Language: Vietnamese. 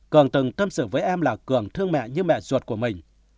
cường từng tâm sự với em là cường thương mẹ như mẹ ruột của mình